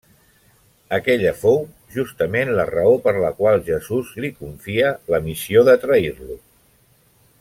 Aquella fou justament la raó per la qual Jesús li confia la missió de trair-lo.